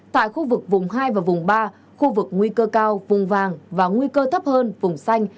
tại khu vực vùng hai và vùng ba khu vực nguy cơ cao vùng vàng và nguy cơ thấp hơn vùng xanh